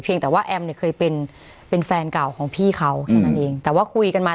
แต่ว่าแอมเนี่ยเคยเป็นเป็นแฟนเก่าของพี่เขาแค่นั้นเองแต่ว่าคุยกันมา